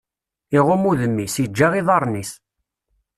Iɣumm udem-is, iǧǧa iḍaṛṛen is.